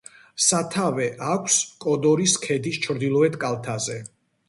სათავე აქვს კოდორის ქედის ჩრდილოეთ კალთზე.